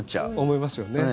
思いますよね。